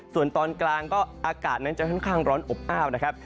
ส่วนตอนกลางก็อากาศนั้นจะค่อนข้างร้อนอบอ้าวนะครับ